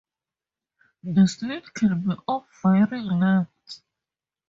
The slit can be of varying lengths.